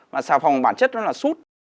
mà xà phòng bản chất nó là sút